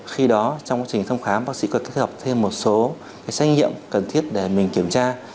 khi đó trong quá trình thăm khám bác sĩ có tích hợp thêm một số xét nghiệm cần thiết để mình kiểm tra